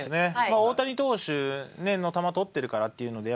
大谷投手の球捕ってるからっていうのでやっぱ甲斐。